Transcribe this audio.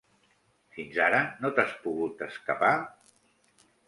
Fins ara no t'has pogut escapar?